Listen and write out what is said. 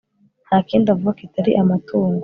nta kindi avuga kitari amatungo